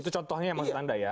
itu contohnya maksud anda ya